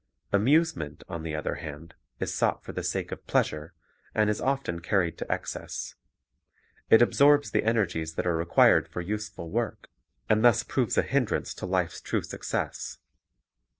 Amusement, on the other hand, is sought for the sake of pleasure, and is often carried to excess; it absorbs the energies that are required for useful work, and thus proves a hindrance to life's true success.